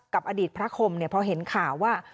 กับอดีตพระคมเนี่ยพอเห็นข่าวว่า